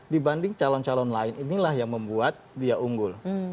dibanding calon calon lain inilah yang membuat dia unggul